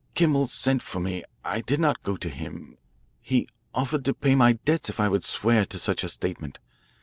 "Kimmel sent for me. I did not go to him. He offered to pay my debts if I would swear to such a statement.